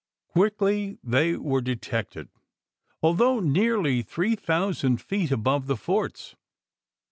Quickly they were detected, although nearly three thousand feet above the forts.